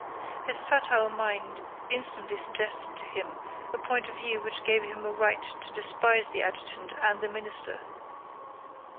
His fertile mind instantly suggested to him a point of view which gave him a right to despise the adjutant and the minister.